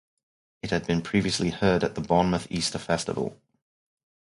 It had been previously heard at the Bournemouth Easter Festival.